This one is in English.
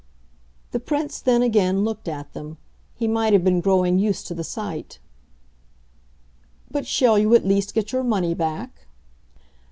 The Prince then again looked at them; he might have been growing used to the sight. "But shall you at least get your money back?"